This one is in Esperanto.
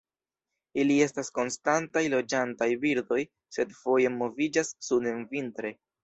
Ili estas konstantaj loĝantaj birdoj, sed foje moviĝas suden vintre.